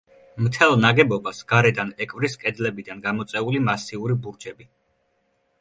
მთელ ნაგებობას გარედან ეკვრის კედლებიდან გამოწეული მასიური ბურჯები.